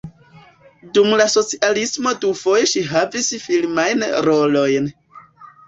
Dum la socialismo dufoje ŝi havis filmajn rolojn.